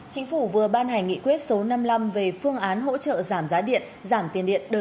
chính phủ vừa ban hành nghị quyết số năm mươi năm về phương án hỗ trợ giảm giá điện giảm tiền điện